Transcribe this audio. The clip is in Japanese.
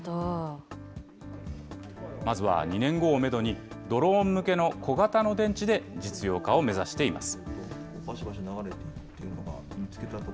まずは２年後をメドに、ドローン向けの小型の電池で実用化を目指しています。